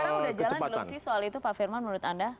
sekarang sudah jalan belum sih soal itu pak firman menurut anda